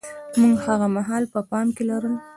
موږ هاغه مهال په پام کې لرل.